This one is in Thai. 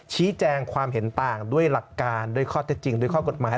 ชี้แจงความเห็นต่างด้วยหลักการด้วยข้อเท็จจริงด้วยข้อกฎหมาย